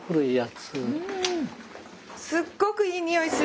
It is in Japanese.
すっごくいい匂いする。